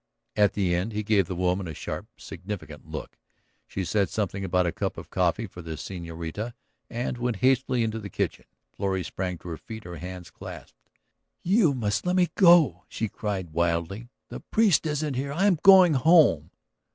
At the end he gave the woman a sharp, significant look. She said something about a cup of coffee for the señorita and went hastily into the kitchen. Florrie sprang to her feet, her hands clasped. "You must let me go," she cried wildly. "The priest isn't here. I am going home."